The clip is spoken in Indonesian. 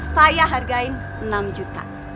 saya hargain enam juta